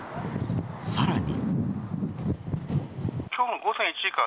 さらに。